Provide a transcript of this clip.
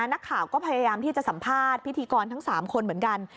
นักข่าวก็พยายามที่จะสัมภาษณ์พิธีกรทั้ง๓คนเหมือนกัน